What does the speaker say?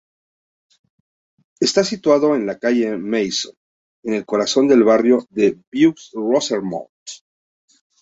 Está situado en la calle Masson, en el corazón del barrio de Vieux-Rosemont.